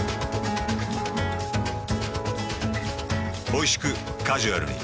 おいしくカジュアルに。